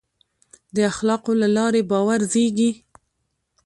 د اخلاقو له لارې باور زېږي.